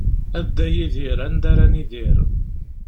A Dda Yidir anda ara nidir?